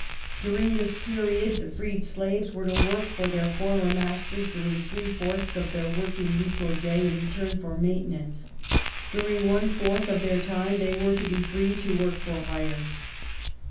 During this period the freed slaves were to work for their former masters during three fourths of their working week or day, in return for maintenance. During one fourth of their time they were to be free to work for hire.